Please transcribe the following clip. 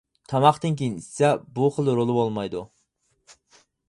تاماقتىن كىيىن ئىچسە بۇ خىل رولى بولمايدۇ.